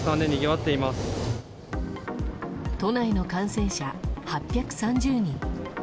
都内の感染者８３０人。